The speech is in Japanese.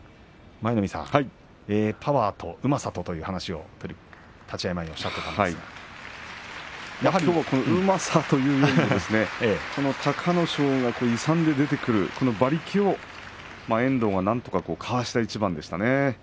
舞の海さんがパワーとうまさという話立ち合い前にきょうはうまさというよりも隆の勝が勇んで出てくる馬力を遠藤が、なんとかかわした一番でしたね。